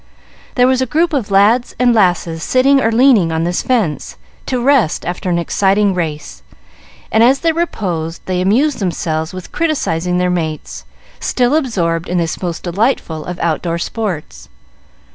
There was a group of lads and lasses sitting or leaning on this fence to rest after an exciting race, and, as they reposed, they amused themselves with criticising their mates, still absorbed in this most delightful of out door sports.